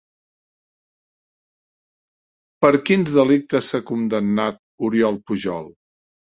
Per quins delictes s'ha condemnat Oriol Pujol?